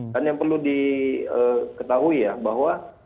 dan yang perlu diketahui ya bahwa